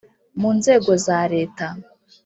mu nzego za leta